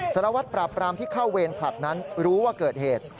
สารวัตรปราบปรามที่เข้าเวรผลัดนั้นรู้ว่าเกิดเหตุ